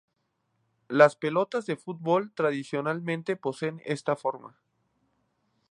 Las pelotas de fútbol tradicionalmente poseen esta forma.